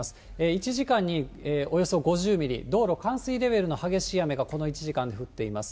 １時間におよそ５０ミリ、道路冠水レベルの激しい雨がこの１時間で降っています。